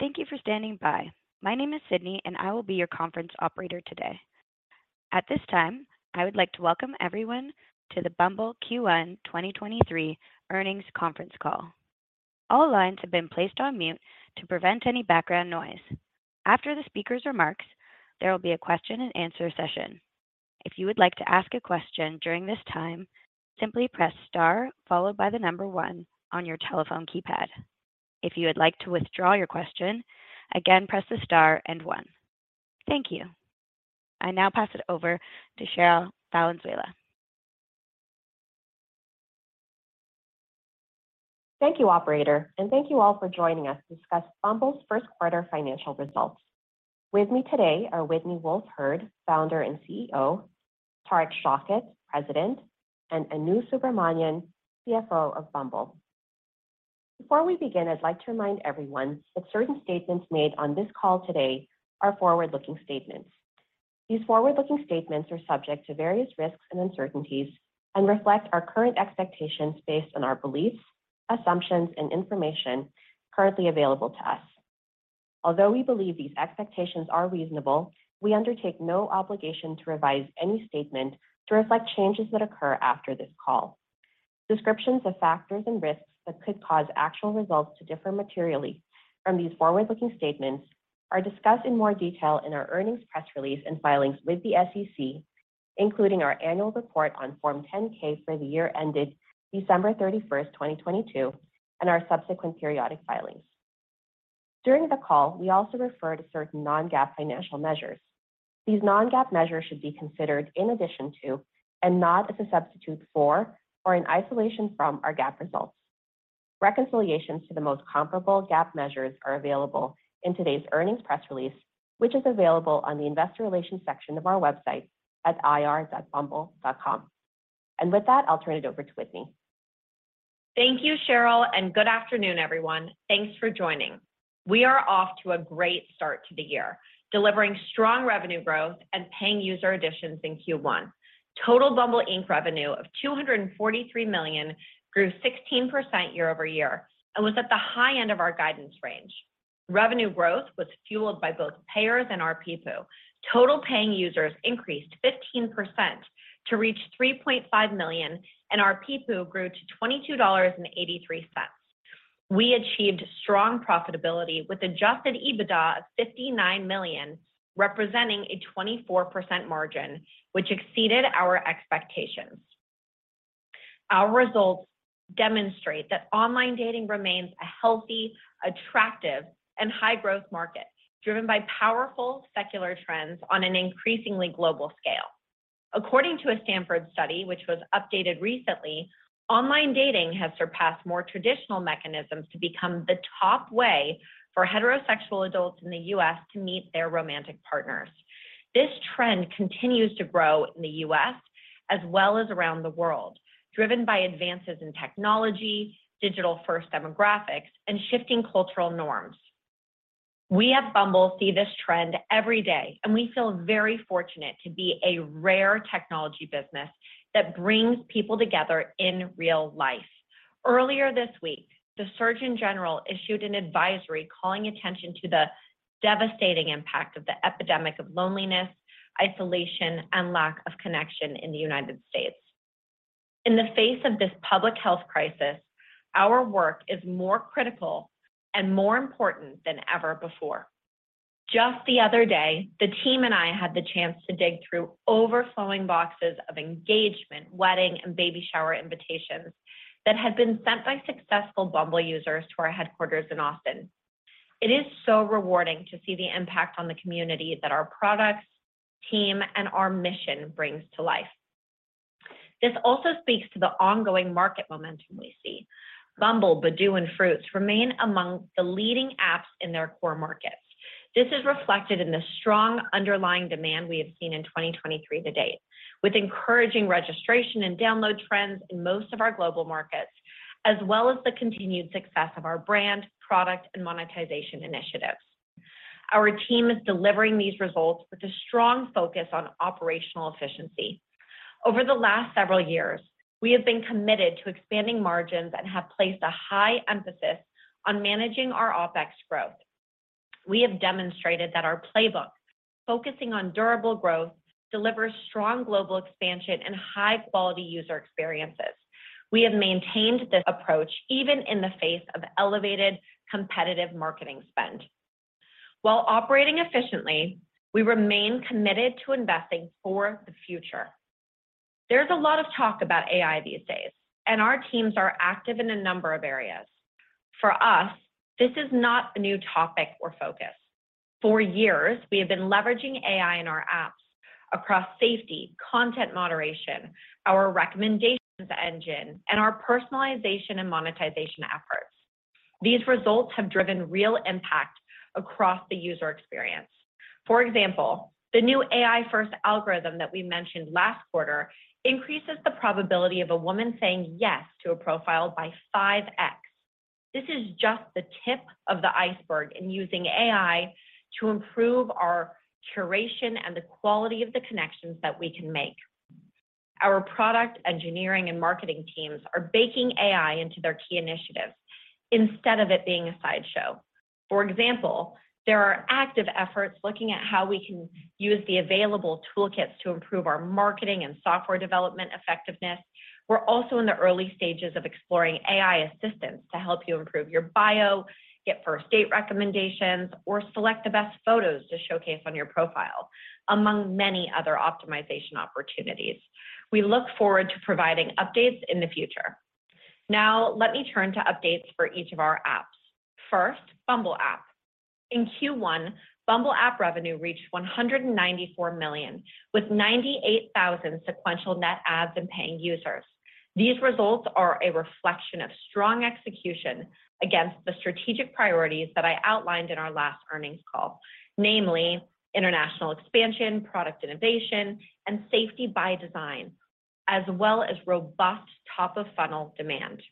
Thank you for standing by. My name is Sydney, and I will be your conference operator today. At this time, I would like to welcome everyone to the Bumble Q1 2023 earnings conference call. All lines have been placed on mute to prevent any background noise. After the speaker's remarks, there will be a question-and-answer session. If you would like to ask a question during this time, simply press star followed by the number one on your telephone keypad. If you would like to withdraw your question, again, press the star and one. Thank you. I now pass it over to Cherryl Valenzuela. Thank you, operator. Thank you all for joining us to discuss Bumble's first quarter financial results. With me today are Whitney Wolfe Herd, Founder and CEO, Tariq Shaukat, President, and Anu Subramanian, CFO of Bumble. Before we begin, I'd like to remind everyone that certain statements made on this call today are forward-looking statements. These forward-looking statements are subject to various risks and uncertainties and reflect our current expectations based on our beliefs, assumptions, and information currently available to us. Although we believe these expectations are reasonable, we undertake no obligation to revise any statement to reflect changes that occur after this call. Descriptions of factors and risks that could cause actual results to differ materially from these forward-looking statements are discussed in more detail in our earnings press release and filings with the SEC, including our annual report on Form 10-K for the year ended December 31st, 2022, and our subsequent periodic filings. During the call, we also refer to certain non-GAAP financial measures. These non-GAAP measures should be considered in addition to and not as a substitute for or in isolation from our GAAP results. Reconciliations to the most comparable GAAP measures are available in today's earnings press release, which is available on the investor relations section of our website at ir.bumble.com. With that, I'll turn it over to Whitney. Thank you, Cherryl. Good afternoon, everyone. Thanks for joining. We are off to a great start to the year, delivering strong revenue growth and paying user additions in Q1. Total Bumble Inc. revenue of $243 million grew 16% year-over-year and was at the high end of our guidance range. Revenue growth was fueled by both payers and our ARPPU. Total paying users increased 15% to reach 3.5 million, and our ARPPU grew to $22.83. We achieved strong profitability with Adjusted EBITDA of $59 million, representing a 24% margin, which exceeded our expectations. Our results demonstrate that online dating remains a healthy, attractive, and high-growth market, driven by powerful secular trends on an increasingly global scale. According to a Stanford study, which was updated recently, online dating has surpassed more traditional mechanisms to become the top way for heterosexual adults in the U.S. to meet their romantic partners. This trend continues to grow in the U.S. as well as around the world, driven by advances in technology, digital-first demographics, and shifting cultural norms. We at Bumble see this trend every day, and we feel very fortunate to be a rare technology business that brings people together in real life. Earlier this week, the Surgeon General issued an advisory calling attention to the devastating impact of the epidemic of loneliness, isolation, and lack of connection in the United States. In the face of this public health crisis, our work is more critical and more important than ever before. Just the other day, the team and I had the chance to dig through overflowing boxes of engagement, wedding, and baby shower invitations that had been sent by successful Bumble users to our headquarters in Austin. It is so rewarding to see the impact on the community that our products, team, and our mission brings to life. This also speaks to the ongoing market momentum we see. Bumble, Badoo, and Fruitz remain among the leading apps in their core markets. This is reflected in the strong underlying demand we have seen in 2023 to date, with encouraging registration and download trends in most of our global markets, as well as the continued success of our brand, product, and monetization initiatives. Our team is delivering these results with a strong focus on operational efficiency. Over the last several years, we have been committed to expanding margins and have placed a high emphasis on managing our OpEx growth. We have demonstrated that our playbook, focusing on durable growth, delivers strong global expansion and high-quality user experiences. We have maintained this approach even in the face of elevated competitive marketing spend. While operating efficiently, we remain committed to investing for the future. There's a lot of talk about AI these days, and our teams are active in a number of areas. For us, this is not a new topic or focus. For years, we have been leveraging AI in our apps across safety, content moderation, our recommendations engine, and our personalization and monetization efforts. These results have driven real impact across the user experience. For example, the new AI-first algorithm that we mentioned last quarter increases the probability of a woman saying yes to a profile by 5x. This is just the tip of the iceberg in using AI to improve our curation and the quality of the connections that we can make. Our product engineering and marketing teams are baking AI into their key initiatives instead of it being a sideshow. For example, there are active efforts looking at how we can use the available toolkits to improve our marketing and software development effectiveness. We're also in the early stages of exploring AI assistance to help you improve your bio, get first date recommendations, or select the best photos to showcase on your profile, among many other optimization opportunities. We look forward to providing updates in the future. Let me turn to updates for each of our apps. First, Bumble app. In Q1, Bumble app revenue reached $194 million, with 98,000 sequential net adds and paying users. These results are a reflection of strong execution against the strategic priorities that I outlined in our last earnings call, namely international expansion, product innovation, and safety by design, as well as robust top-of-funnel demand.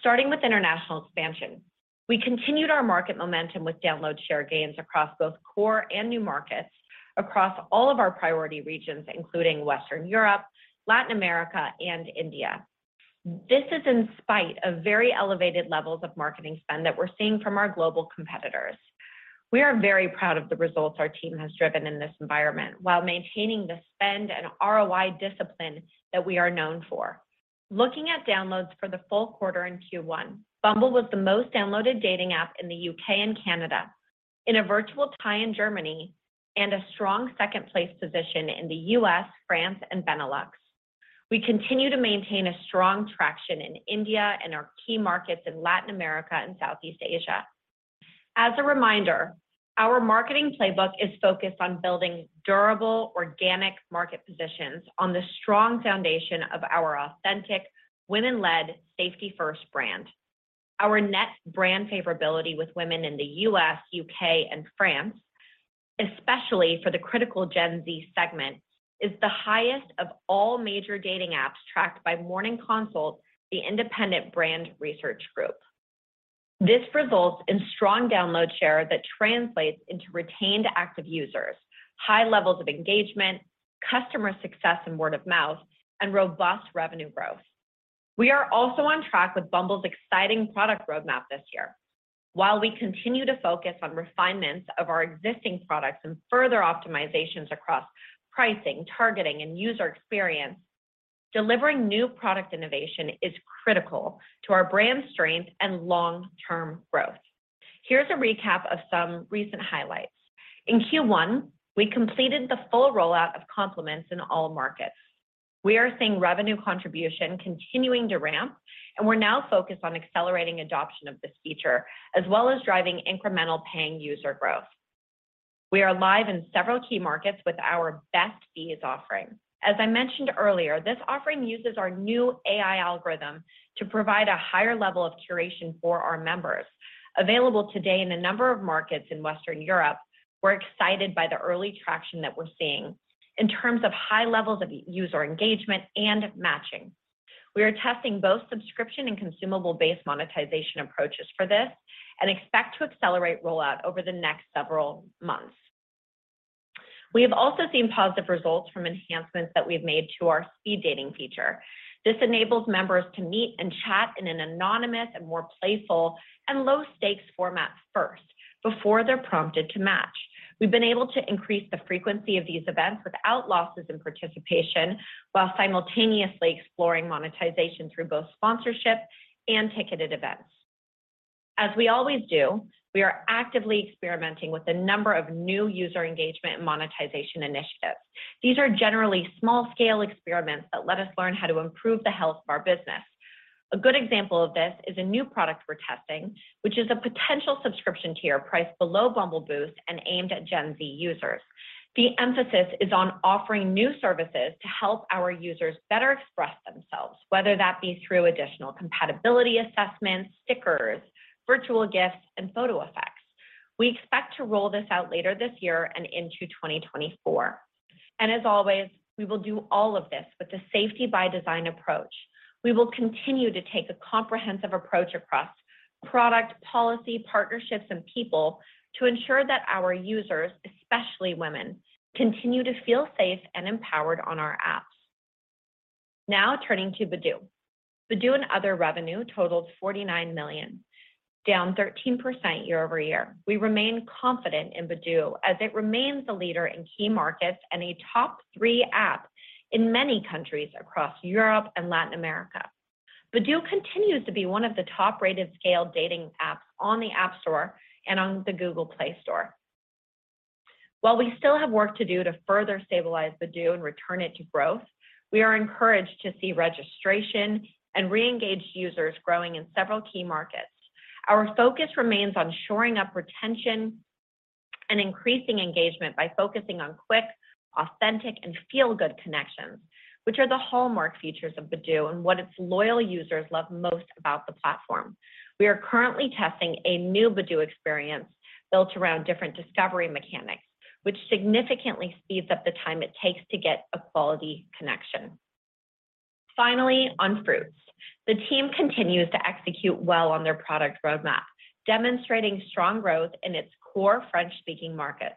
Starting with international expansion, we continued our market momentum with download share gains across both core and new markets across all of our priority regions, including Western Europe, Latin America and India. This is in spite of very elevated levels of marketing spend that we're seeing from our global competitors. We are very proud of the results our team has driven in this environment while maintaining the spend and ROI discipline that we are known for. Looking at downloads for the full quarter in Q1, Bumble was the most downloaded dating app in the U.K. and Canada, in a virtual tie in Germany and a strong second-place position in the U.S., France and Benelux. We continue to maintain a strong traction in India and our key markets in Latin America and Southeast Asia. As a reminder, our marketing playbook is focused on building durable, organic market positions on the strong foundation of our authentic, women-led, safety-first brand. Our net brand favorability with women in the U.S., U.K. and France, especially for the critical Gen Z segment, is the highest of all major dating apps tracked by Morning Consult, the independent brand research group. This results in strong download share that translates into retained active users, high levels of engagement, customer success and word of mouth, and robust revenue growth. We are also on track with Bumble's exciting product roadmap this year. While we continue to focus on refinements of our existing products and further optimizations across pricing, targeting and user experience, delivering new product innovation is critical to our brand strength and long-term growth. Here's a recap of some recent highlights. In Q1, we completed the full rollout of Compliments in all markets. We are seeing revenue contribution continuing to ramp. We're now focused on accelerating adoption of this feature, as well as driving incremental paying user growth. We are live in several key markets with our Best Bees offering. As I mentioned earlier, this offering uses our new AI algorithm to provide a higher level of curation for our members. Available today in a number of markets in Western Europe, we're excited by the early traction that we're seeing in terms of high levels of user engagement and matching. We are testing both subscription and consumable-based monetization approaches for this and expect to accelerate rollout over the next several months. We have also seen positive results from enhancements that we've made to our Speed Dating feature. This enables members to meet and chat in an anonymous and more playful and low-stakes format first before they're prompted to match. We've been able to increase the frequency of these events without losses in participation while simultaneously exploring monetization through both sponsorship and ticketed events. As we always do, we are actively experimenting with a number of new user engagement and monetization initiatives. These are generally small-scale experiments that let us learn how to improve the health of our business. A good example of this is a new product we're testing, which is a potential subscription tier priced below Bumble Boost and aimed at Gen Z users. The emphasis is on offering new services to help our users better express themselves, whether that be through additional compatibility assessments, stickers, virtual gifts and photo effects. We expect to roll this out later this year and into 2024. As always, we will do all of this with a safety-by-design approach. We will continue to take a comprehensive approach across product, policy, partnerships and people to ensure that our users, especially women, continue to feel safe and empowered on our apps. Now turning to Badoo. Badoo and other revenue totaled $49 million, down 13% year-over-year. We remain confident in Badoo as it remains a leader in key markets and a top three app in many countries across Europe and Latin America. Badoo continues to be one of the top-rated scale dating apps on the App Store and on the Google Play Store. While we still have work to do to further stabilize Badoo and return it to growth, we are encouraged to see registration and re-engaged users growing in several key markets. Our focus remains on shoring up retention and increasing engagement by focusing on quick, authentic and feel-good connections, which are the hallmark features of Badoo and what its loyal users love most about the platform. We are currently testing a new Badoo experience built around different discovery mechanics, which significantly speeds up the time it takes to get a quality connection. Finally, on Fruitz. The team continues to execute well on their product roadmap, demonstrating strong growth in its core French-speaking markets.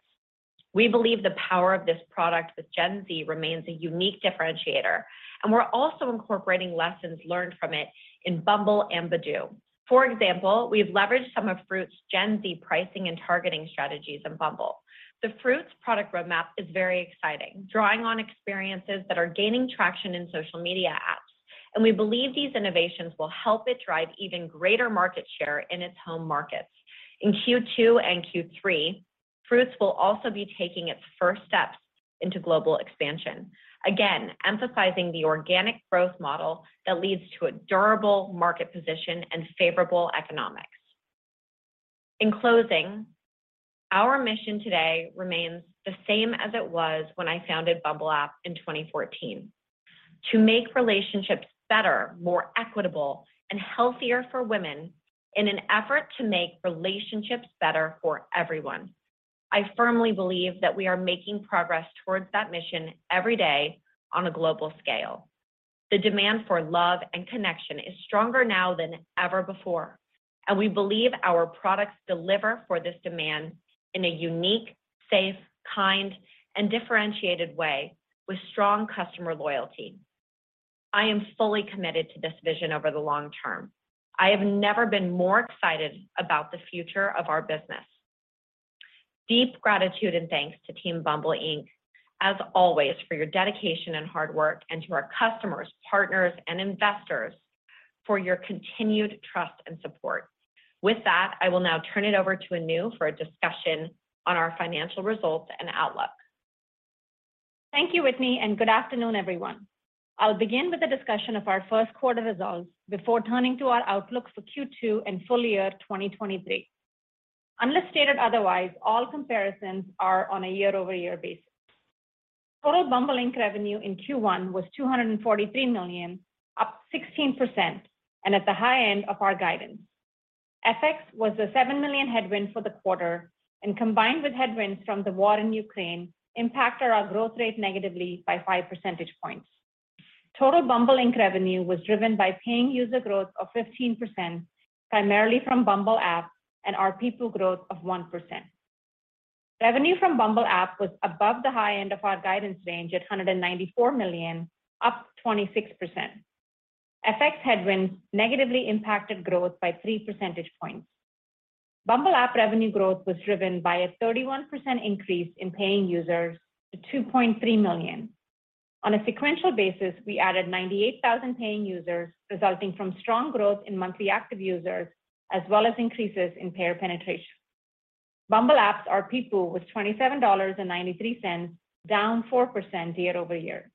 We believe the power of this product with Gen Z remains a unique differentiator, and we're also incorporating lessons learned from it in Bumble and Badoo. For example, we've leveraged some of Fruitz Gen Z pricing and targeting strategies in Bumble. The Fruitz product roadmap is very exciting, drawing on experiences that are gaining traction in social media apps, and we believe these innovations will help it drive even greater market share in its home markets. In Q2 and Q3, Fruitz will also be taking its first steps into global expansion, again emphasizing the organic growth model that leads to a durable market position and favorable economics. In closing, our mission today remains the same as it was when I founded Bumble app in 2014: to make relationships better, more equitable, and healthier for women in an effort to make relationships better for everyone. I firmly believe that we are making progress towards that mission every day on a global scale. The demand for love and connection is stronger now than ever before, and we believe our products deliver for this demand in a unique, safe, kind, and differentiated way with strong customer loyalty. I am fully committed to this vision over the long term. I have never been more excited about the future of our business. Deep gratitude and thanks to Team Bumble Inc. as always for your dedication and hard work and to our customers, partners and investors for your continued trust and support. With that, I will now turn it over to Anu for a discussion on our financial results and outlook. Thank you, Whitney, good afternoon, everyone. I'll begin with a discussion of our first quarter results before turning to our outlook for Q2 and full year 2023. Unless stated otherwise, all comparisons are on a year-over-year basis. Total Bumble Inc. revenue in Q1 was $243 million, up 16% and at the high end of our guidance. FX was a $7 million headwind for the quarter and combined with headwinds from the war in Ukraine, impacted our growth rate negatively by 5 percentage points. Total Bumble Inc. revenue was driven by paying user growth of 15%, primarily from Bumble app and ARPU growth of 1%. Revenue from Bumble app was above the high end of our guidance range at $194 million, up 26%. FX headwinds negatively impacted growth by 3 percentage points. Bumble app revenue growth was driven by a 31% increase in paying users to 2.3 million. On a sequential basis, we added 98,000 paying users, resulting from strong growth in monthly active users, as well as increases in payer penetration. Bumble apps ARPU was $27.93, down 4% year-over-year.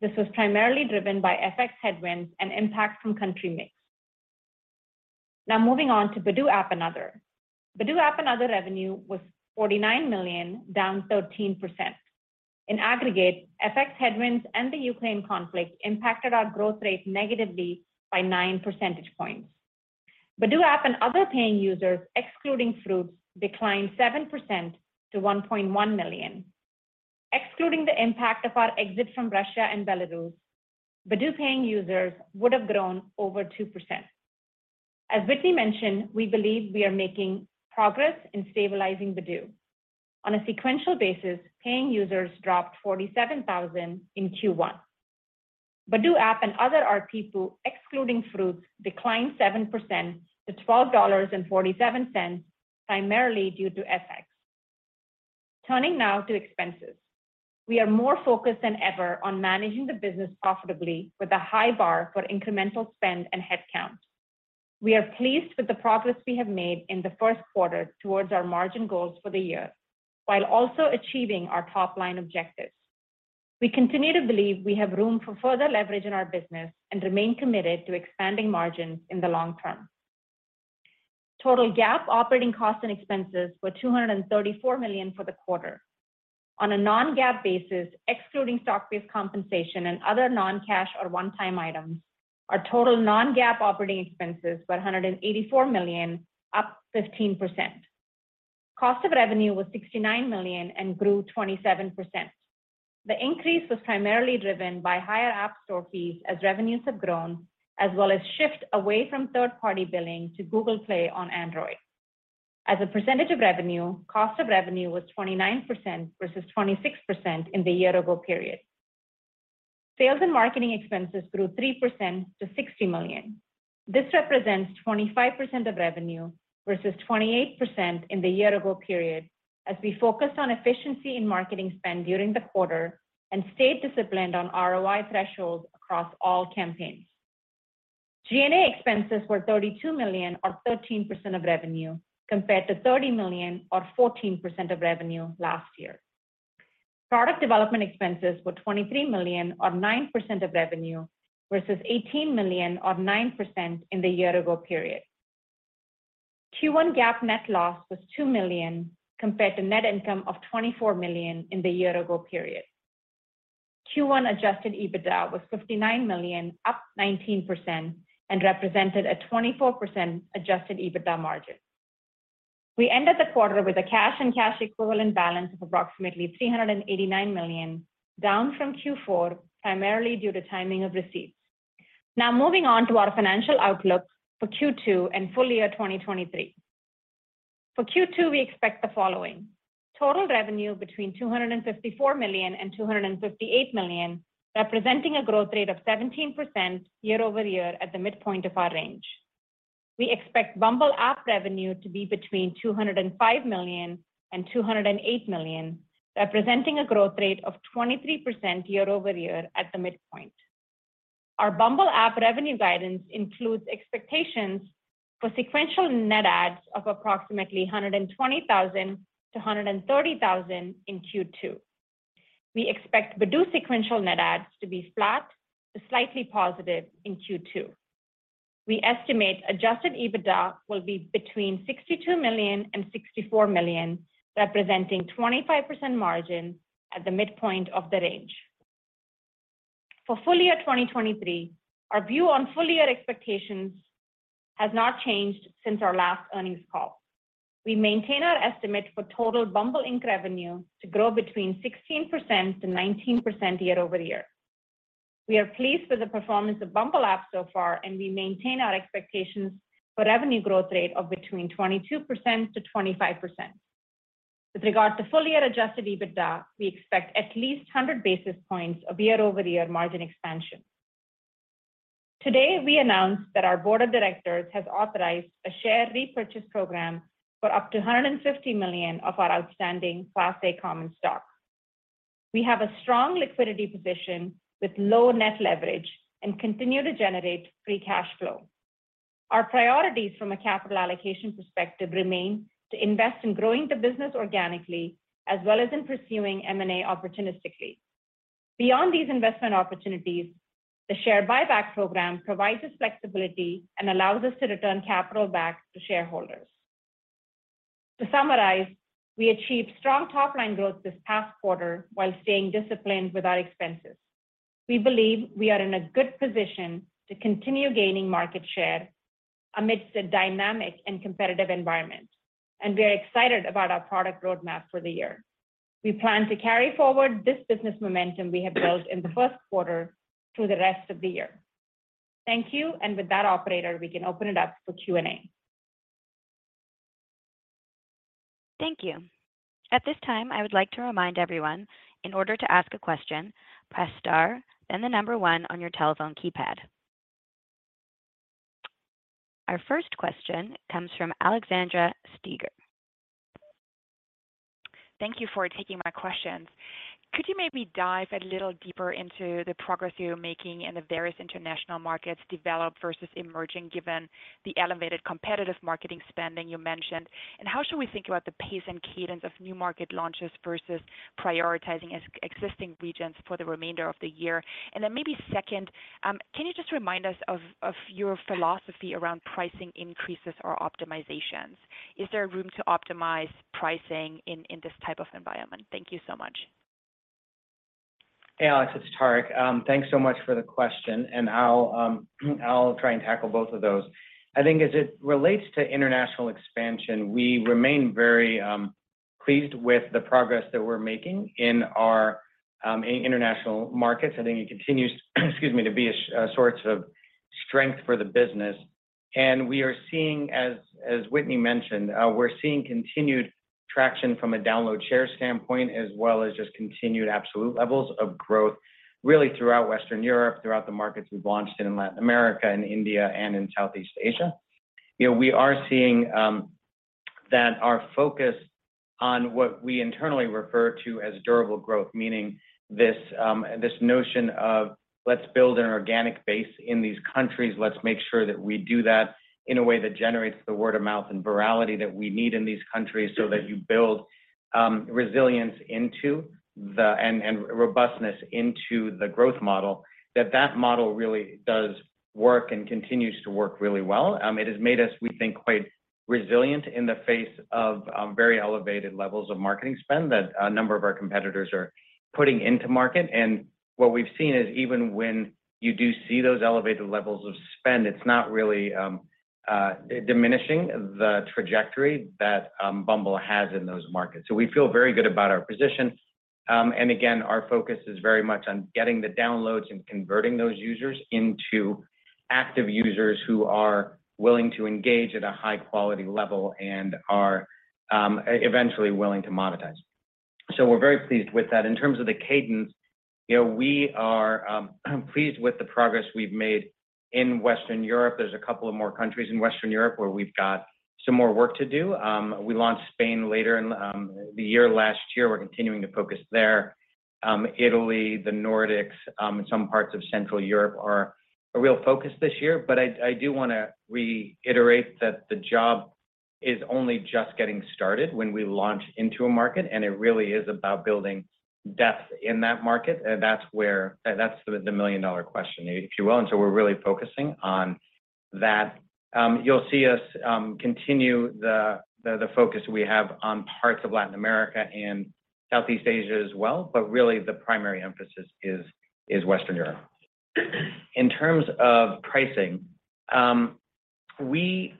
This was primarily driven by FX headwinds and impact from country mix. Now moving on to Badoo app and other. Badoo app and other revenue was $49 million, down 13%. In aggregate, FX headwinds and the Ukraine conflict impacted our growth rate negatively by 9 percentage points. Badoo app and other paying users, excluding Fruitz, declined 7% to 1.1 million. Excluding the impact of our exit from Russia and Belarus, Badoo paying users would have grown over 2%. As Whitney mentioned, we believe we are making progress in stabilizing Badoo. On a sequential basis, paying users dropped 47,000 in Q1. Badoo app and other ARPU, excluding Fruitz, declined 7% to $12.47, primarily due to FX. Turning now to expenses. We are more focused than ever on managing the business profitably with a high bar for incremental spend and headcount. We are pleased with the progress we have made in the first quarter towards our margin goals for the year, while also achieving our top-line objectives. We continue to believe we have room for further leverage in our business and remain committed to expanding margins in the long term. Total GAAP operating costs and expenses were $234 million for the quarter. On a non-GAAP basis, excluding stock-based compensation and other non-cash or one-time items, our total non-GAAP operating expenses were $184 million, up 15%. Cost of revenue was $69 million and grew 27%. The increase was primarily driven by higher App Store fees as revenues have grown, as well as shift away from third-party billing to Google Play on Android. As a percentage of revenue, cost of revenue was 29% versus 26% in the year-ago period. Sales and marketing expenses grew 3% to $60 million. This represents 25% of revenue versus 28% in the year-ago period, as we focused on efficiency in marketing spend during the quarter and stayed disciplined on ROI thresholds across all campaigns. G&A expenses were $32 million or 13% of revenue, compared to $30 million or 14% of revenue last year. Product development expenses were $23 million or 9% of revenue versus $18 million or 9% in the year-ago period. Q1 GAAP net loss was $2 million compared to net income of $24 million in the year-ago period. Q1 Adjusted EBITDA was $59 million, up 19% and represented a 24% Adjusted EBITDA margin. We ended the quarter with a cash and cash equivalent balance of approximately $389 million, down from Q4, primarily due to timing of receipts. Moving on to our financial outlook for Q2 and full year 2023. For Q2, we expect the following. Total revenue between $254 million and $258 million, representing a growth rate of 17% year-over-year at the midpoint of our range. We expect Bumble app revenue to be between $205 million and $208 million, representing a growth rate of 23% year-over-year at the midpoint. Our Bumble app revenue guidance includes expectations for sequential net adds of approximately 120,000 to 130,000 in Q2. We expect Badoo sequential net adds to be flat to slightly positive in Q2. We estimate Adjusted EBITDA will be between $62 million and $64 million, representing 25% margin at the midpoint of the range. For full year 2023, our view on full year expectations has not changed since our last earnings call. We maintain our estimate for total Bumble Inc. revenue to grow between 16%-19% year-over-year. We are pleased with the performance of Bumble app so far, we maintain our expectations for revenue growth rate of between 22%-25%. With regard to full year Adjusted EBITDA, we expect at least 100 basis points of year-over-year margin expansion. Today, we announced that our board of directors has authorized a share repurchase program for up to $150 million of our outstanding Class A common stock. We have a strong liquidity position with low net leverage and continue to generate free cash flow. Our priorities from a capital allocation perspective remain to invest in growing the business organically as well as in pursuing M&A opportunistically. Beyond these investment opportunities, the share buyback program provides us flexibility and allows us to return capital back to shareholders. To summarize, we achieved strong top-line growth this past quarter while staying disciplined with our expenses. We believe we are in a good position to continue gaining market share amidst a dynamic and competitive environment, and we are excited about our product roadmap for the year. We plan to carry forward this business momentum we have built in the first quarter through the rest of the year. Thank you. With that, operator, we can open it up for Q&A. Thank you. At this time, I would like to remind everyone, in order to ask a question, press star, then the number one on your telephone keypad. Our first question comes from Alexandra Steiger. Thank you for taking my questions. Could you maybe dive a little deeper into the progress you're making in the various international markets, developed versus emerging, given the elevated competitive marketing spending you mentioned? How should we think about the pace and cadence of new market launches versus prioritizing existing regions for the remainder of the year? Maybe second, can you just remind us of your philosophy around pricing increases or optimizations? Is there room to optimize pricing in this type of environment? Thank you so much. Hey, Alex, it's Tariq. Thanks so much for the question, and I'll try and tackle both of those. I think as it relates to international expansion, we remain very pleased with the progress that we're making in our international markets. I think it continues, excuse me, to be a source of strength for the business. We are seeing as Whitney mentioned, we're seeing continued traction from a download share standpoint as well as just continued absolute levels of growth, really throughout Western Europe, throughout the markets we've launched in Latin America and India and in Southeast Asia. You know, we are seeing that our focus on what we internally refer to as durable growth, meaning this notion of let's build an organic base in these countries, let's make sure that we do that in a way that generates the word of mouth and virality that we need in these countries so that you build resilience into and robustness into the growth model, that model really does work and continues to work really well. It has made us, we think, quite resilient in the face of very elevated levels of marketing spend that a number of our competitors are putting into market. What we've seen is even when you do see those elevated levels of spend, it's not really diminishing the trajectory that Bumble has in those markets. We feel very good about our position. Again, our focus is very much on getting the downloads and converting those users into active users who are willing to engage at a high quality level and are eventually willing to monetize. We're very pleased with that. In terms of the cadence, you know, we are pleased with the progress we've made in Western Europe. There's a couple of more countries in Western Europe where we've got some more work to do. We launched Spain later in the year last year. We're continuing to focus there. Italy, the Nordics, and some parts of Central Europe are a real focus this year. I do wanna reiterate that the job is only just getting started when we launch into a market, and it really is about building depth in that market, that's the million-dollar question, if you will. We're really focusing on that. You'll see us continue the focus we have on parts of Latin America and Southeast Asia as well. Really the primary emphasis is Western Europe. In terms of pricing, we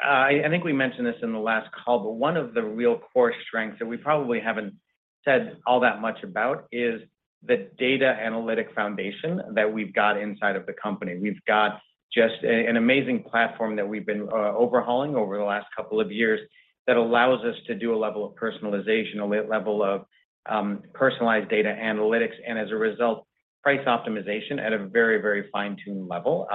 think we mentioned this in the last call, but one of the real core strengths that we probably haven't said all that much about is the data analytic foundation that we've got inside of the company. We've got just an amazing platform that we've been overhauling over the last couple of years that allows us to do a level of personalization, a level of personalized data analytics, and as a result, price optimization at a very, very fine-tuned level.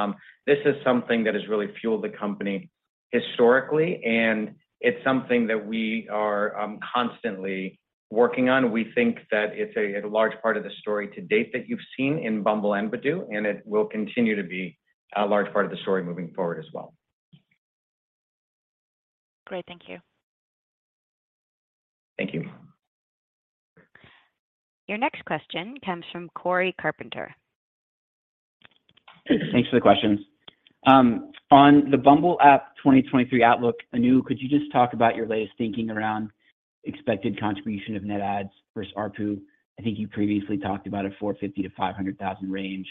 This is something that has really fueled the company historically, and it's something that we are constantly working on. We think that it's a large part of the story to date that you've seen in Bumble and Badoo, and it will continue to be a large part of the story moving forward as well. Great. Thank you. Thank you. Your next question comes from Cory Carpenter. Thanks for the questions. On the Bumble app 2023 outlook, Anu, could you just talk about your latest thinking around expected contribution of net adds versus ARPU? I think you previously talked about a 450,000-500,000 range,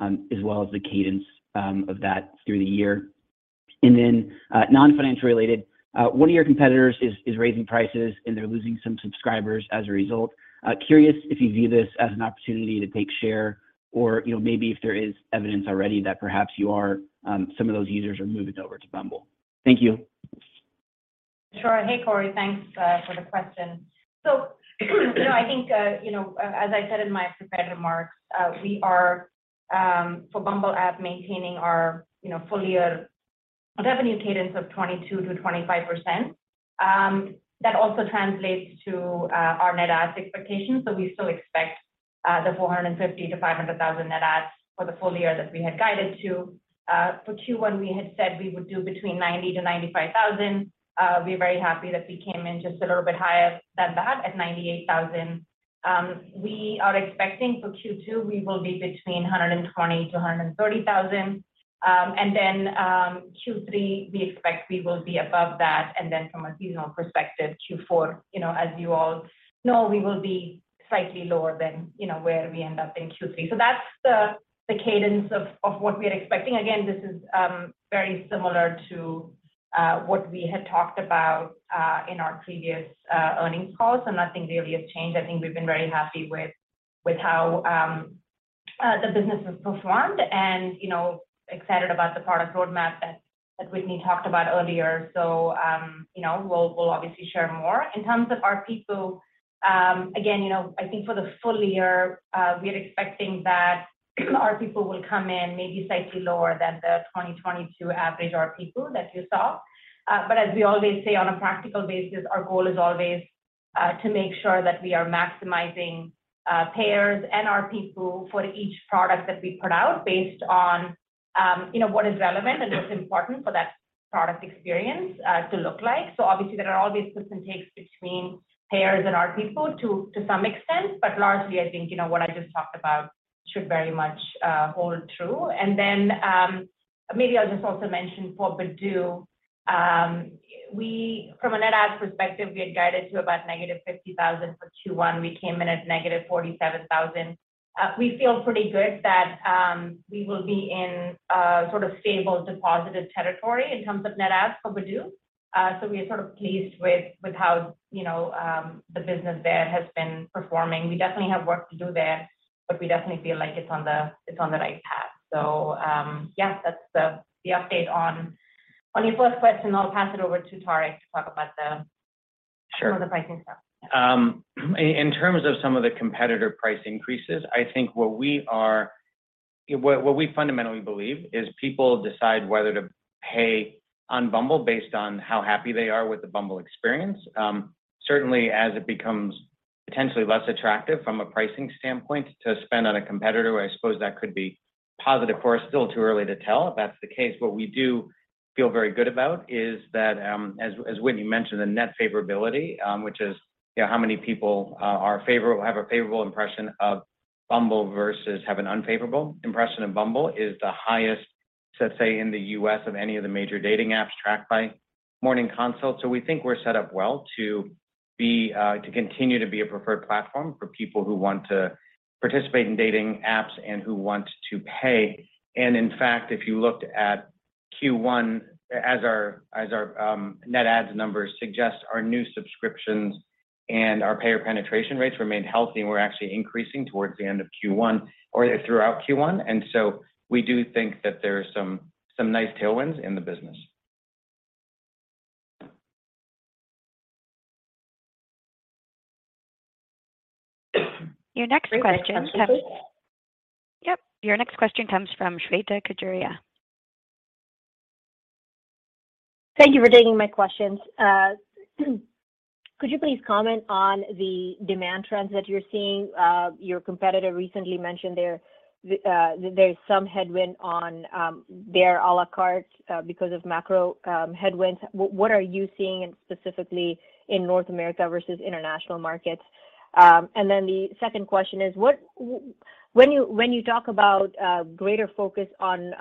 as well as the cadence of that through the year. Non-financial related, one of your competitors is raising prices, and they're losing some subscribers as a result. Curious if you view this as an opportunity to take share or, you know, maybe if there is evidence already that perhaps some of those users are moving over to Bumble. Thank you. Sure. Hey, Cory. Thanks for the question. You know, I think, you know, as I said in my prepared remarks, we are for Bumble app, maintaining our, you know, full year revenue cadence of 22%-25%. That also translates to our net adds expectations, we still expect the 450,000-500,000 net adds for the full year that we had guided to. For Q1, we had said we would do between 90,000-95,000. We're very happy that we came in just a little bit higher than that at 98,000. We are expecting for Q2, we will be between 120,000-130,000. Q3, we expect we will be above that. From a seasonal perspective, Q4, you know, as you all know, we will be slightly lower than, you know, where we end up in Q3. That's the cadence of what we are expecting. This is very similar to what we had talked about in our previous earnings calls, and nothing really has changed. I think we've been very happy with how the business has performed and, you know, excited about the product roadmap that Whitney talked about earlier. You know, we'll obviously share more. In terms of ARPU, again, you know, I think for the full year, we are expecting that ARPU will come in maybe slightly lower than the 2022 average ARPU that you saw. As we always say on a practical basis, our goal is always to make sure that we are maximizing payers and ARPU for each product that we put out based on, you know, what is relevant and what's important for that product experience to look like. Obviously, there are always puts and takes between payers and ARPU to some extent, but largely, I think, you know, what I just talked about should very much hold true. Maybe I'll just also mention for Badoo, from a net adds perspective, we had guided to about negative 50,000 for Q1. We came in at negative 47,000. We feel pretty good that we will be in a sort of stable to positive territory in terms of net adds for Badoo. We are sort of pleased with how, you know, the business there has been performing. We definitely have work to do there, but we definitely feel like it's on the right path. Yes, that's the update on your first question. I'll pass it over to Tariq to talk about the some of the pricing stuff. In terms of some of the competitor price increases, I think what we fundamentally believe is people decide whether to pay on Bumble based on how happy they are with the Bumble experience. Certainly as it becomes potentially less attractive from a pricing standpoint to spend on a competitor, I suppose that could be positive for us. Still too early to tell if that's the case. What we do feel very good about is that, as Whitney mentioned, the net favorability, which is, you know, how many people have a favorable impression of Bumble versus have an unfavorable impression of Bumble, is the highest, let's say, in the U.S. of any of the major dating apps tracked by Morning Consult. We think we're set up well to be, to continue to be a preferred platform for people who want to participate in dating apps and who want to pay. In fact, if you looked at Q1 as our net adds numbers suggest our new subscriptions and our payer penetration rates remain healthy, and we're actually increasing towards the end of Q1 or throughout Q1. We do think that there are some nice tailwinds in the business. Your next question. Your next question comes from Shweta Khajuria. Thank you for taking my questions. Could you please comment on the demand trends that you're seeing? Your competitor recently mentioned there's some headwind on their à la carte because of macro headwinds. What are you seeing and specifically in North America versus international markets? The second question is: when you talk about greater focus on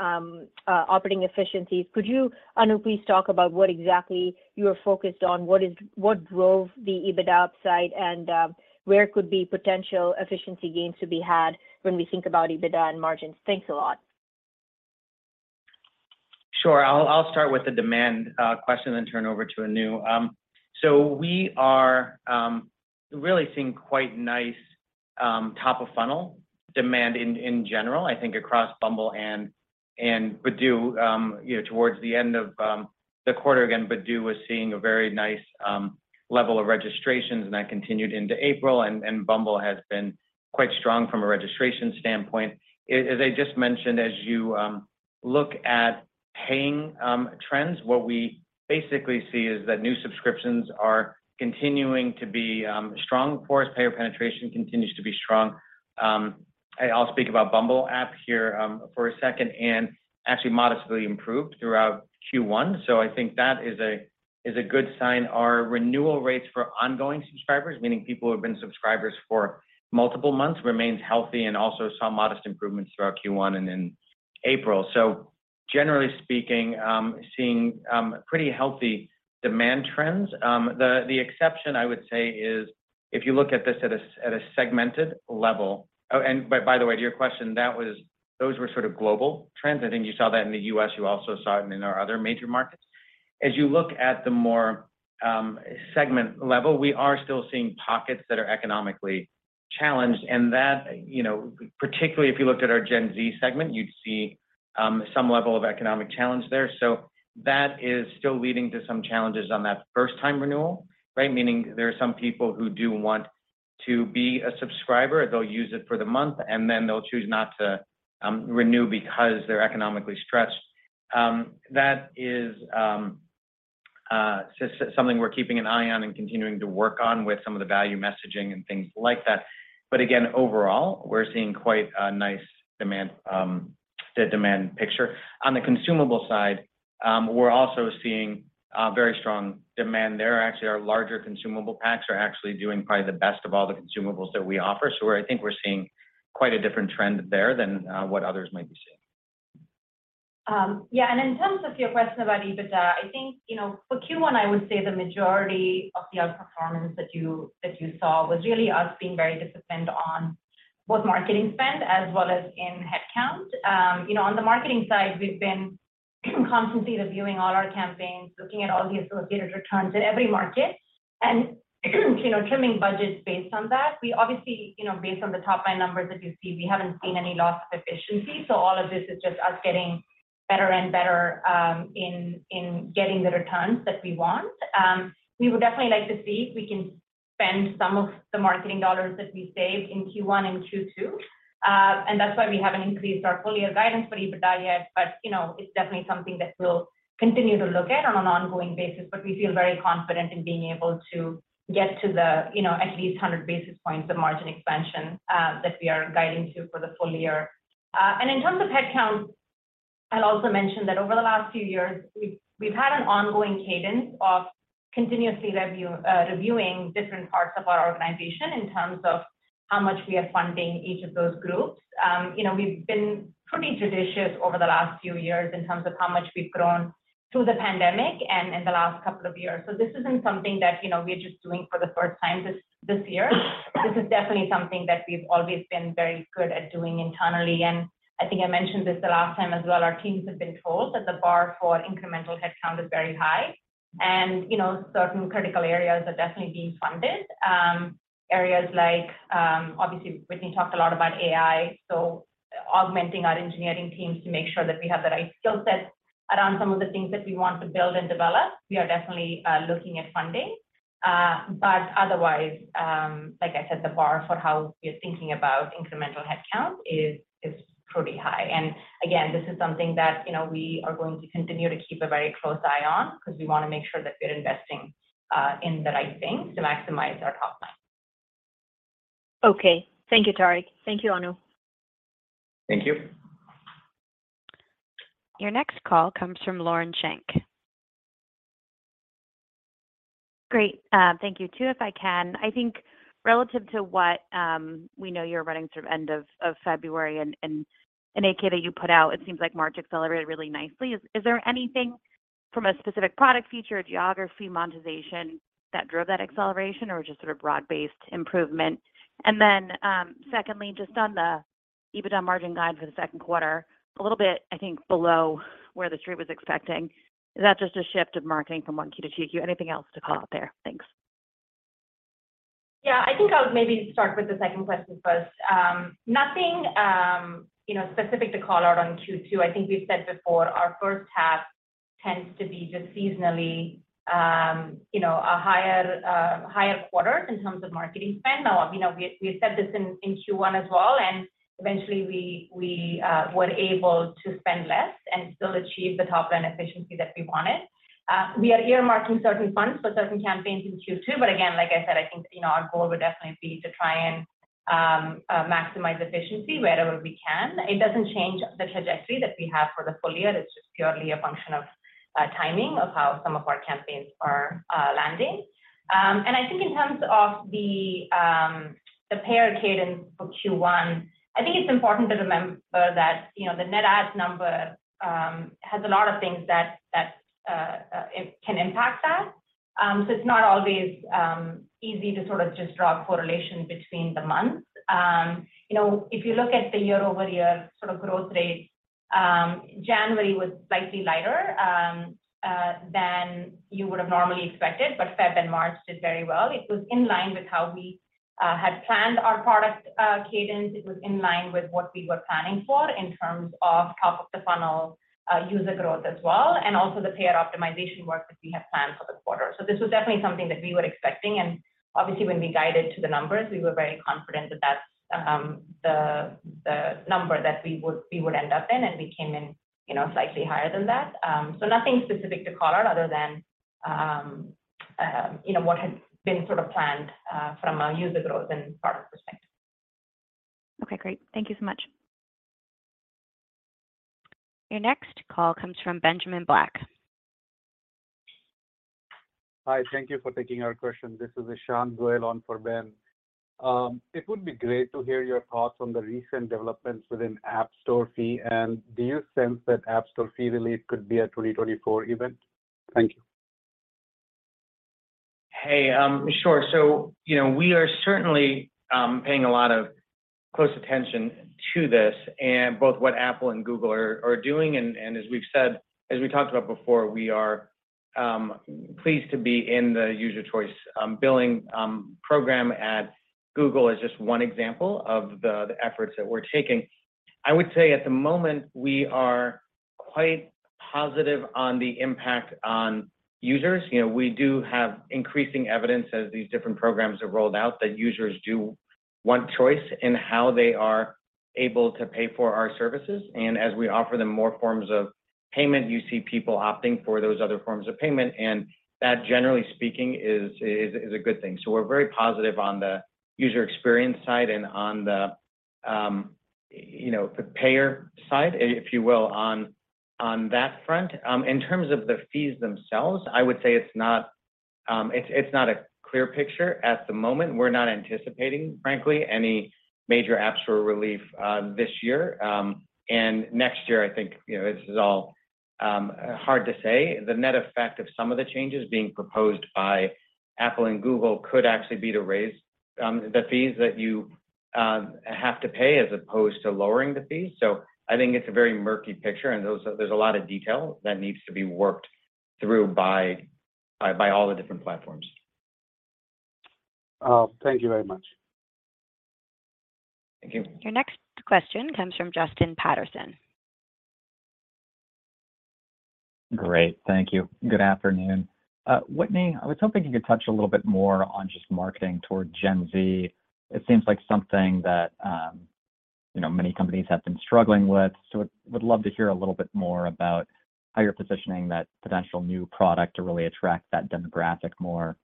operating efficiencies, could you, Anu, please talk about what exactly you are focused on? What drove the EBITDA upside, and where could be potential efficiency gains to be had when we think about EBITDA and margins? Thanks a lot. Sure. I'll start with the demand question, then turn over to Anu. We are really seeing quite nice top of funnel demand in general, I think across Bumble and Badoo. You know, towards the end of the quarter, again, Badoo was seeing a very nice level of registrations, and that continued into April. Bumble has been quite strong from a registration standpoint. As I just mentioned, as you look at paying trends, what we basically see is that new subscriptions are continuing to be strong. Of course, payer penetration continues to be strong. I'll speak about Bumble app here for a second, and actually modestly improved throughout Q1, I think that is a good sign. Our renewal rates for ongoing subscribers, meaning people who have been subscribers for multiple months, remains healthy and also saw modest improvements throughout Q1 and in April. Generally speaking, seeing pretty healthy demand trends. The exception I would say is if you look at this at a segmented level. By the way, to your question, those were sort of global trends. I think you saw that in the U.S. You also saw it in our other major markets. You look at the more segment level, we are still seeing pockets that are economically challenged, and that, you know, particularly if you looked at our Gen Z segment, you'd see some level of economic challenge there. That is still leading to some challenges on that first time renewal, right? Meaning there are some people who do want to be a subscriber. They'll use it for the month, and then they'll choose not to renew because they're economically stressed. That is something we're keeping an eye on and continuing to work on with some of the value messaging and things like that. Again, overall, we're seeing quite a nice demand, the demand picture. On the consumable side, we're also seeing very strong demand there. Actually, our larger consumable packs are actually doing probably the best of all the consumables that we offer. I think we're seeing quite a different trend there than what others might be seeing. In terms of your question about Adjusted EBITDA, I think, you know, for Q1, I would say the majority of the outperformance that you saw was really us being very disciplined on both marketing spend as well as in headcount. You know, on the marketing side, we've been constantly reviewing all our campaigns, looking at all the associated returns in every market, and, you know, trimming budgets based on that. We obviously, you know, based on the top-line numbers that you see, we haven't seen any loss of efficiency. All of this is just us getting better and better in getting the returns that we want. We would definitely like to see if we can spend some of the marketing dollars that we saved in Q1 in Q2. That's why we haven't increased our full year guidance for EBITDA yet. You know, it's definitely something that we'll continue to look at on an ongoing basis. We feel very confident in being able to get to the, you know, at least 100 basis points of margin expansion that we are guiding to for the full year. In terms of headcount, I'll also mention that over the last few years, we've had an ongoing cadence of continuously reviewing different parts of our organization in terms of how much we are funding each of those groups. You know, we've been pretty judicious over the last few years in terms of how much we've grown through the pandemic and in the last couple of years. This isn't something that, you know, we're just doing for the first time this year. This is definitely something that we've always been very good at doing internally. I think I mentioned this the last time as well, our teams have been told that the bar for incremental headcount is very high. You know, certain critical areas are definitely being funded. Areas like, obviously Whitney talked a lot about AI, so augmenting our engineering teams to make sure that we have the right skill sets around some of the things that we want to build and develop, we are definitely looking at funding. Otherwise, like I said, the bar for how we're thinking about incremental headcount is pretty high. Again, this is something that, you know, we are going to continue to keep a very close eye on because we wanna make sure that we're investing in the right things to maximize our top line. Okay. Thank you, Tariq. Thank you, Anu. Thank you. Your next call comes from Lauren Schenk. Great. Thank you. Two, if I can. I think relative to what, we know you're running sort of end of February and an 8-K that you put out, it seems like March accelerated really nicely. Is there anything from a specific product feature, geography, monetization that drove that acceleration or just sort of broad-based improvement? Secondly, just on the EBITDA margin guide for the second quarter, a little bit, I think, below where the street was expecting. Is that just a shift of marketing from 1Q to 2Q? Anything else to call out there? Thanks. I think I'll maybe start with the second question first. Nothing, you know, specific to call out on Q2. I think we've said before, our first half tends to be just seasonally, you know, a higher quarter in terms of marketing spend. You know, we said this in Q1 as well, and eventually we were able to spend less and still achieve the top-line efficiency that we wanted. We are earmarking certain funds for certain campaigns in Q2. Again, like I said, I think, you know, our goal would definitely be to try and maximize efficiency wherever we can. It doesn't change the trajectory that we have for the full year. It's just purely a function of timing of how some of our campaigns are landing. I think in terms of the payer cadence for Q1, I think it's important to remember that, you know, the net adds number has a lot of things that It can impact that. It's not always easy to sort of just draw a correlation between the months. You know, if you look at the year-over-year sort of growth rate, January was slightly lighter than you would have normally expected, Feb and March did very well. It was in line with how we had planned our product cadence. It was in line with what we were planning for in terms of top of the funnel user growth as well, and also the payer optimization work that we had planned for the quarter. This was definitely something that we were expecting, and obviously when we guided to the numbers, we were very confident that that's the number that we would end up in, and we came in, you know, slightly higher than that. Nothing specific to call out other than, you know, what had been sort of planned from a user growth and product perspective. Okay, great. Thank you so much. Your next call comes from Benjamin Black. Hi, thank you for taking our question. This is Ishant Goel on for Ben. It would be great to hear your thoughts on the recent developments within App Store fee. Do you sense that App Store fee relief could be a 2024 event? Thank you. Hey, sure. You know, we are certainly paying a lot of close attention to this and both what Apple and Google are doing and, as we talked about before, we are pleased to be in the User Choice Billing program at Google is just one example of the efforts that we're taking. I would say at the moment we are quite positive on the impact on users. You know, we do have increasing evidence as these different programs are rolled out that users do want choice in how they are able to pay for our services. As we offer them more forms of payment, you see people opting for those other forms of payment, and that generally speaking is a good thing. We're very positive on the user experience side and on the, you know, the payer side, if you will, on that front. In terms of the fees themselves, I would say it's not, it's not a clear picture at the moment. We're not anticipating, frankly, any major App Store relief this year. And next year, I think, you know, this is all hard to say. The net effect of some of the changes being proposed by Apple and Google could actually be to raise the fees that you have to pay as opposed to lowering the fees. I think it's a very murky picture, and there's a lot of detail that needs to be worked through by all the different platforms. Oh, thank you very much. Thank you. Your next question comes from Justin Patterson. Great. Thank you. Good afternoon. Whitney, I was hoping you could touch a little bit more on just marketing toward Gen Z. It seems like something that, you know, many companies have been struggling with, so would love to hear a little bit more about how you're positioning that potential new product to really attract that demographic more.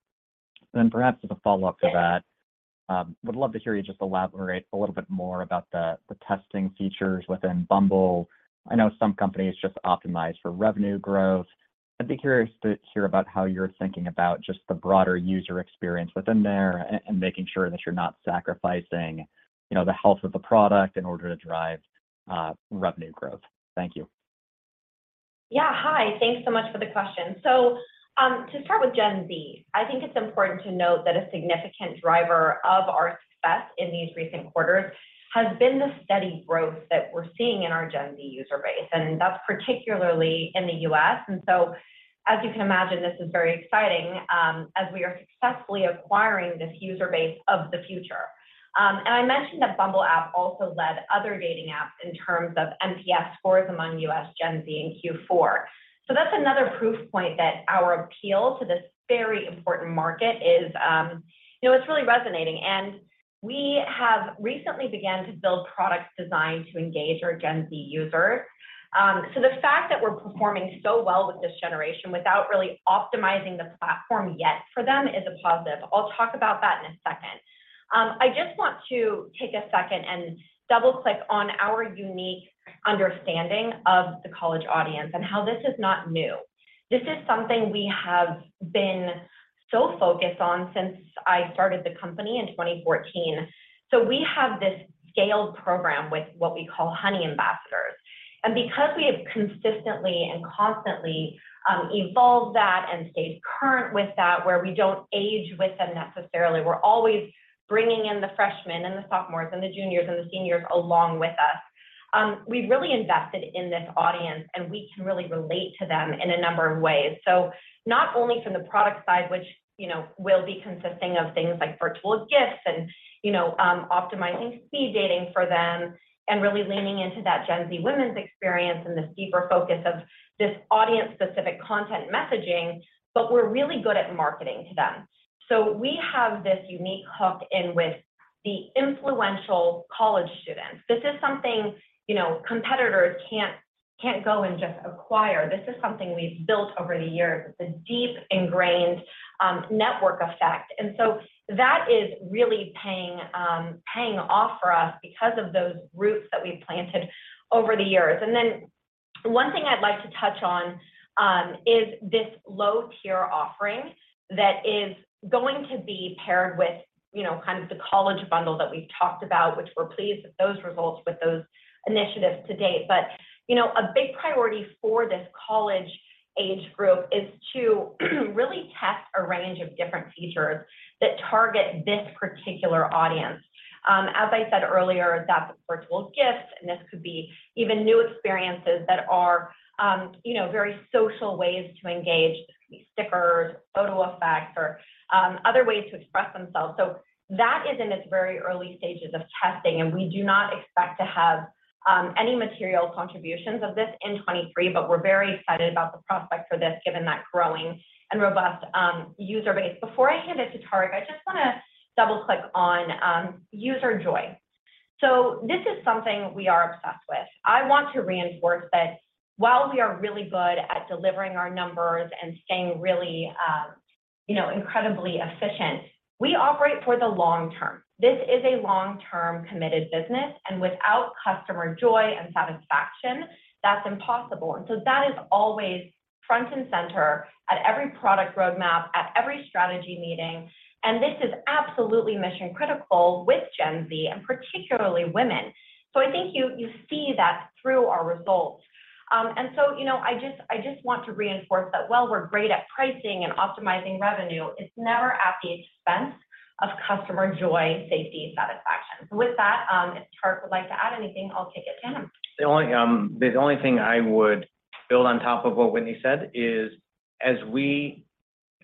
Perhaps as a follow-up to that, would love to hear you just elaborate a little bit more about the testing features within Bumble. I know some companies just optimize for revenue growth. I'd be curious to hear about how you're thinking about just the broader user experience within there and making sure that you're not sacrificing, you know, the health of the product in order to drive revenue growth. Thank you. Yeah. Hi. Thanks so much for the question. To start with Gen Z, I think it's important to note that a significant driver of our success in these recent quarters has been the steady growth that we're seeing in our Gen Z user base, and that's particularly in the U.S. As you can imagine, this is very exciting, as we are successfully acquiring this user base of the future. I mentioned that Bumble app also led other dating apps in terms of NPS scores among U.S. Gen Z in Q4. That's another proof point that our appeal to this very important market is, you know, it's really resonating. We have recently began to build products designed to engage our Gen Z users. The fact that we're performing so well with this generation without really optimizing the platform yet for them is a positive. I'll talk about that in a second. I just want to take a second and double-click on our unique understanding of the college audience and how this is not new. This is something we have been so focused on since I started the company in 2014. We have this scaled program with what we call Honey Ambassadors. Because we have consistently and constantly evolved that and stayed current with that, where we don't age with them necessarily, we're always bringing in the freshmen and the sophomores and the juniors and the seniors along with us. We've really invested in this audience, and we can really relate to them in a number of ways. Not only from the product side, which, you know, will be consisting of things like virtual gifts and, you know, optimizing Speed Dating for them and really leaning into that Gen Z women's experience and this deeper focus of this audience-specific content messaging, but we're really good at marketing to them. We have this unique hook in with the influential college students. This is something, you know, competitors can't go and just acquire. This is something we've built over the years. It's a deep, ingrained network effect. That is really paying off for us because of those roots that we've planted over the years. One thing I'd like to touch on, is this low-tier offering that is going to be paired with, you know, kind of the college bundle that we've talked about, which we're pleased with those results, with those initiatives to date. You know, a big priority for this college age group is to really test a range of different features that target this particular audience. As I said earlier, that's a virtual gift, and this could be even new experiences that are, you know, very social ways to engage. This could be stickers, photo effects, or other ways to express themselves. That is in its very early stages of testing, and we do not expect to have any material contributions of this in 2023, but we're very excited about the prospect for this, given that growing and robust user base. Before I hand it to Tariq, I just wanna double-click on user joy. This is something we are obsessed with. I want to reinforce that while we are really good at delivering our numbers and staying really, you know, incredibly efficient, we operate for the long term. This is a long-term committed business, and without customer joy and satisfaction, that's impossible. That is always front and center at every product roadmap, at every strategy meeting, and this is absolutely mission-critical with Gen Z and particularly women. I think you see that through our results. You know, I just want to reinforce that while we're great at pricing and optimizing revenue, it's never at the expense of customer joy, safety, and satisfaction. With that, if Tariq would like to add anything, I'll kick it to him. The only, the only thing I would build on top of what Whitney said is, as we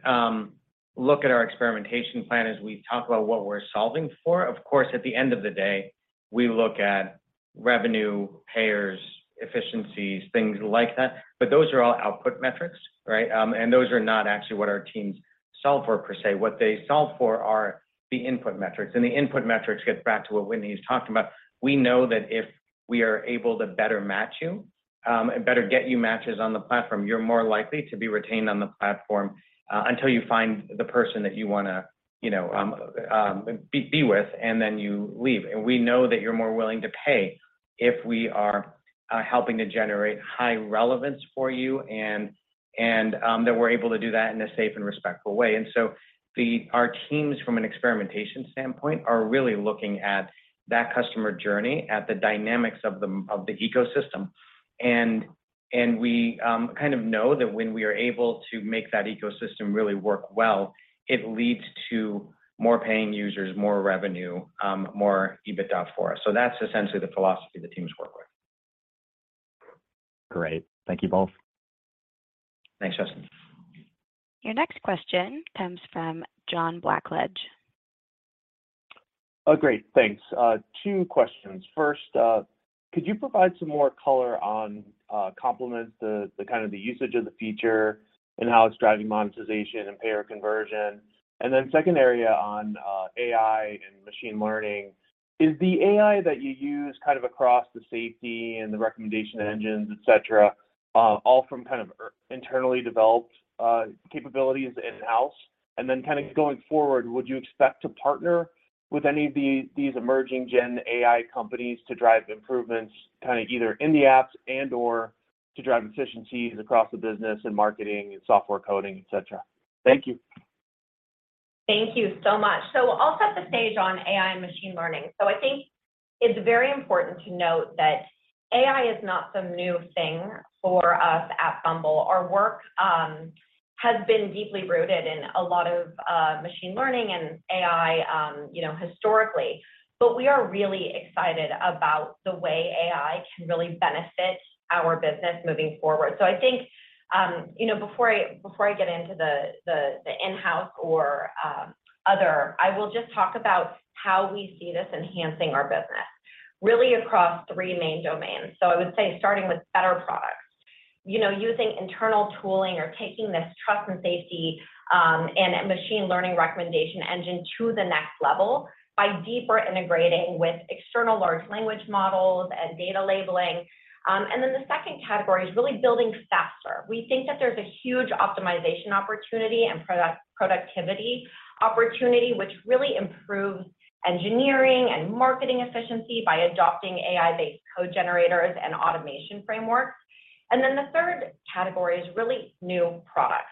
look at our experimentation plan, as we talk about what we're solving for, of course, at the end of the day, we look at revenue, payers, efficiencies, things like that. Those are all output metrics, right? Those are not actually what our teams solve for per se. What they solve for are the input metrics. The input metrics gets back to what Whitney's talking about. We know that if we are able to better match you, and better get you matches on the platform, you're more likely to be retained on the platform, until you find the person that you wanna, you know, be with, and then you leave. We know that you're more willing to pay if we are helping to generate high relevance for you and that we're able to do that in a safe and respectful way. Our teams from an experimentation standpoint are really looking at that customer journey, at the dynamics of the ecosystem. We kind of know that when we are able to make that ecosystem really work well, it leads to more paying users, more revenue, more EBITDA for us. That's essentially the philosophy the teams work with. Great. Thank you both. Thanks, Justin. Your next question comes from John Blackledge. Great. Thanks. Two questions. First, could you provide some more color on Compliments, the kind of the usage of the feature and how it's driving monetization and payer conversion? Second area on AI and machine learning. Is the AI that you use across the safety and the recommendation engines, et cetera, all from internally developed capabilities in-house? Going forward, would you expect to partner with any of these emerging gen AI companies to drive improvements either in the apps and/or to drive efficiencies across the business and marketing and software coding, et cetera? Thank you. Thank you so much. I'll set the stage on AI and machine learning. I think it's very important to note that AI is not some new thing for us at Bumble. Our work has been deeply rooted in a lot of machine learning and AI, you know, historically. We are really excited about the way AI can really benefit our business moving forward. I think, you know, before I get into the in-house or other, I will just talk about how we see this enhancing our business really across three main domains. I would say starting with better products. You know, using internal tooling or taking this trust and safety and machine learning recommendation engine to the next level by deeper integrating with external large language models and data labeling. Then the second category is really building faster. We think that there's a huge optimization opportunity and product-productivity opportunity, which really improves engineering and marketing efficiency by adopting AI-based code generators and automation frameworks. Then the third category is really new products.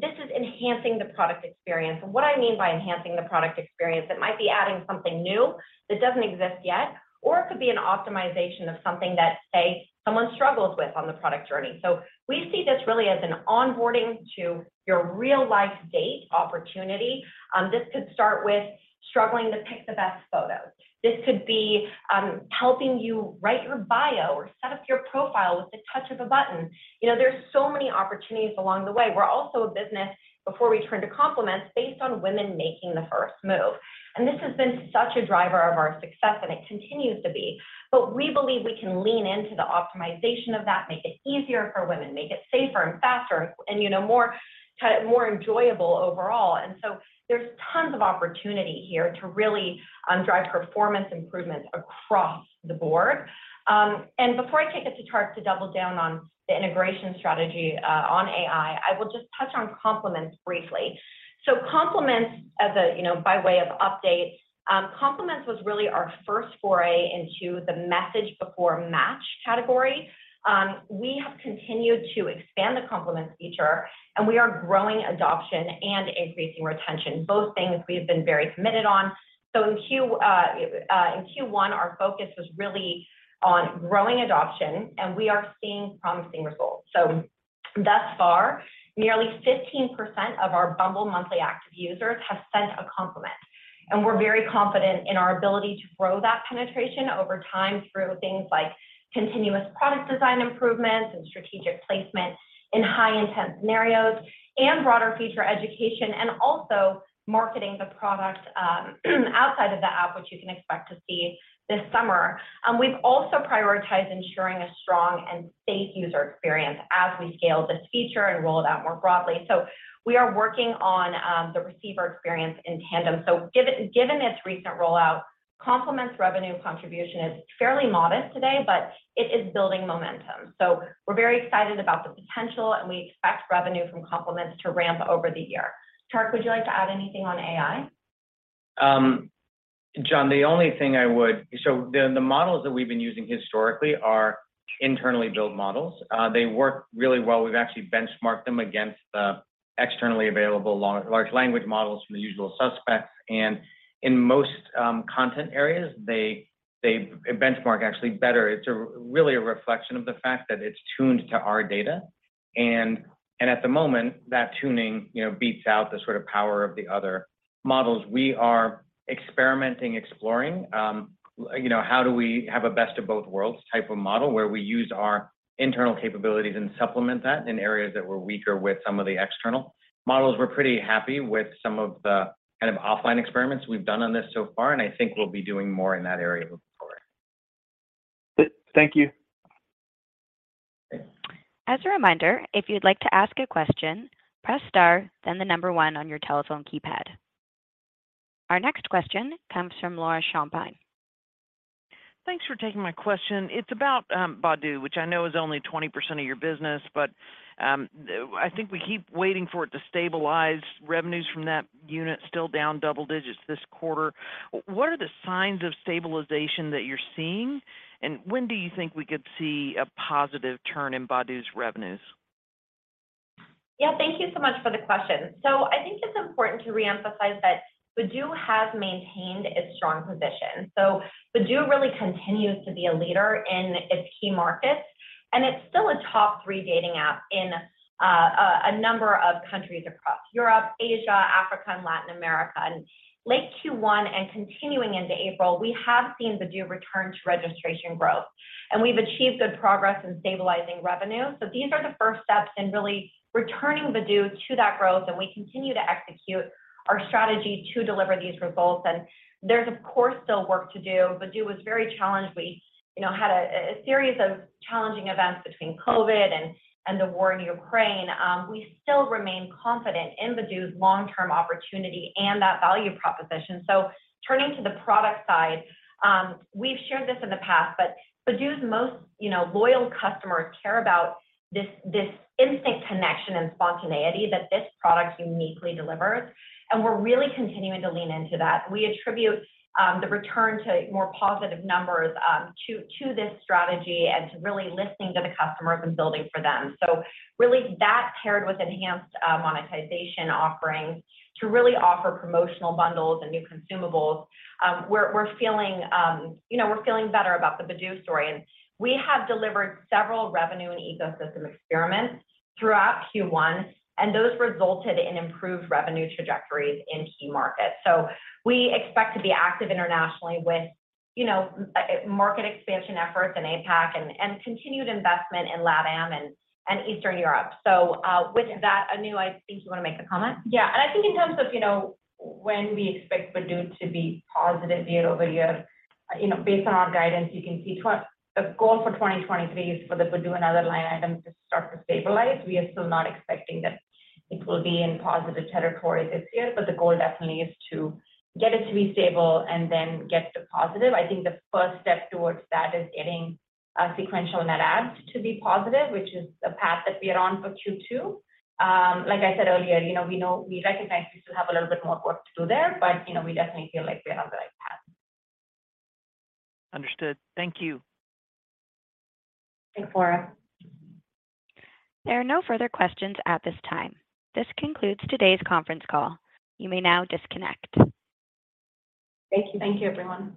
This is enhancing the product experience. What I mean by enhancing the product experience, it might be adding something new that doesn't exist yet, or it could be an optimization of something that, say, someone struggles with on the product journey. We see this really as an onboarding to your real-life date opportunity. This could start with struggling to pick the best photos. This could be helping you write your bio or set up your profile with the touch of a button. You know, there's so many opportunities along the way. We're also a business, before we turn to Compliments, based on women making the first move. This has been such a driver of our success, and it continues to be. We believe we can lean into the optimization of that, make it easier for women, make it safer and faster and, you know, more enjoyable overall. There's tons of opportunity here to really drive performance improvements across the board. Before I kick it to Tariq to double down on the integration strategy on AI, I will just touch on Compliments briefly. Compliments as a, you know, by way of update, Compliments was really our first foray into the message before match category. We have continued to expand the Compliments feature, and we are growing adoption and increasing retention, both things we have been very committed on. In Q1, our focus was really on growing adoption, and we are seeing promising results. Thus far, nearly 15% of our Bumble monthly active users have sent a Compliment. We're very confident in our ability to grow that penetration over time through things like continuous product design improvements and strategic placement in high intense scenarios and broader feature education, and also marketing the product outside of the app, which you can expect to see this summer. We've also prioritized ensuring a strong and safe user experience as we scale this feature and roll it out more broadly. We are working on the receiver experience in tandem. Given this recent rollout, Compliments revenue contribution is fairly modest today, but it is building momentum. We're very excited about the potential, and we expect revenue from Compliments to ramp over the year. Tariq, would you like to add anything on AI? John, the models that we've been using historically are internally built models. They work really well. We've actually benchmarked them against the externally available large language models from the usual suspects. In most content areas, they benchmark actually better. It's really a reflection of the fact that it's tuned to our data. At the moment, that tuning, you know, beats out the sort of power of the other models. We are experimenting, exploring, you know, how do we have a best of both worlds type of model where we use our internal capabilities and supplement that in areas that we're weaker with some of the external models. We're pretty happy with some of the kind of offline experiments we've done on this so far, and I think we'll be doing more in that area moving forward. Thank you. As a reminder, if you'd like to ask a question, press star, then the number one on your telephone keypad. Our next question comes from Laura Champine. Thanks for taking my question. It's about Badoo, which I know is only 20% of your business, but I think we keep waiting for it to stabilize. Revenues from that unit still down double digits this quarter. What are the signs of stabilization that you're seeing? When do you think we could see a positive turn in Badoo's revenues? Yeah, thank you so much for the question. I think it's important to reemphasize that Badoo has maintained its strong position. Badoo really continues to be a leader in its key markets, and it's still a top three dating app in a number of countries across Europe, Asia, Africa, and Latin America. Late Q1 and continuing into April, we have seen Badoo return to registration growth, and we've achieved good progress in stabilizing revenue. These are the first steps in really returning Badoo to that growth, and we continue to execute our strategy to deliver these results. There's, of course, still work to do. Badoo was very challenged. We, you know, had a series of challenging events between COVID and the war in Ukraine. We still remain confident in Badoo's long-term opportunity and that value proposition. Turning to the product side, we've shared this in the past, but Badoo's most, you know, loyal customers care about this instant connection and spontaneity that this product uniquely delivers, and we're really continuing to lean into that. We attribute the return to more positive numbers to this strategy and to really listening to the customers and building for them. Really that paired with enhanced monetization offerings to really offer promotional bundles and new consumables, we're feeling, you know, we're feeling better about the Badoo story. We have delivered several revenue and ecosystem experiments throughout Q1, and those resulted in improved revenue trajectories in key markets. We expect to be active internationally with, you know, market expansion efforts in APAC and continued investment in LATAM and Eastern Europe. With that, Anu, I think you wanna make a comment? Yeah. I think in terms of, you know, when we expect Badoo to be positive year-over-year, you know, based on our guidance, you can see the goal for 2023 is for the Badoo and other line items to start to stabilize. We are still not expecting that it will be in positive territory this year, but the goal definitely is to get it to be stable and then get to positive. I think the first step towards that is getting sequential net adds to be positive, which is a path that we are on for Q2. Like I said earlier, you know, we recognize we still have a little bit more work to do there, but, you know, we definitely feel like we are on the right path. Understood. Thank you. Thanks, Laura. There are no further questions at this time. This concludes today's conference call. You may now disconnect. Thank you. Thank you, everyone.